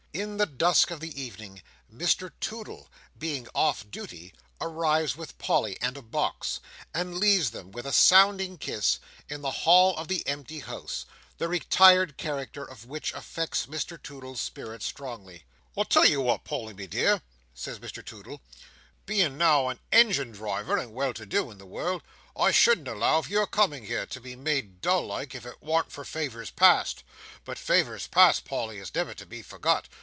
In the dusk of the evening Mr Toodle, being off duty, arrives with Polly and a box, and leaves them, with a sounding kiss, in the hall of the empty house, the retired character of which affects Mr Toodle's spirits strongly. "I tell you what, Polly, me dear," says Mr Toodle, "being now an ingine driver, and well to do in the world, I shouldn't allow of your coming here, to be made dull like, if it warn't for favours past. But favours past, Polly, is never to be forgot.